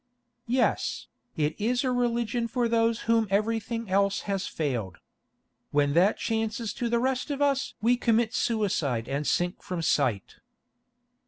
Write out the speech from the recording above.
"Yes, it is a religion for those whom everything else has failed. When that chances to the rest of us we commit suicide and sink from sight."